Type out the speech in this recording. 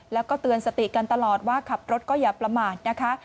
แล้วก็เตือนสติกันตลอดว่าขับรถก็อย่าประมาทนะคะ